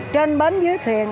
trên bến dưới thuyền